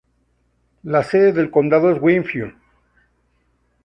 La sede del condado es Winfield.